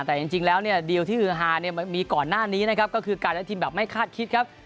แต่จริงแล้วเนี่ยดีลที่ฮือฮาเนี่ยมีก่อนหน้านี้นะครับก็คือการเล่นทีมแบบไม่คาดคิดครับ